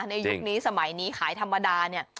ยุคนี้สมัยนี้ขายธรรมดาเนี่ย